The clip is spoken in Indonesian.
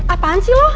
apaan sih lo